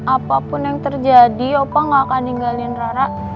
apapun yang terjadi opa gak akan ninggalin rara